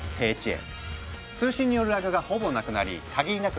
通信によるラグがほぼなくなり限りなく